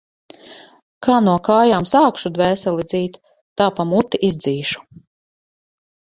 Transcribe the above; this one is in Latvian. Kā no kājām sākšu dvēseli dzīt, tā pa muti izdzīšu.